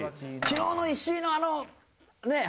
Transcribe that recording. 昨日の石井のあのねえ？